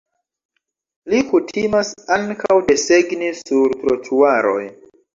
Li kutimas ankaŭ desegni sur trotuaroj.